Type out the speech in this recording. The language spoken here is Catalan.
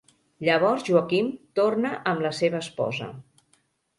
Llavors Joaquim torna amb la seva esposa.